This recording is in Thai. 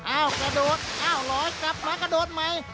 กระโดดอ้าวเหรอกลับมากระโดดใหม่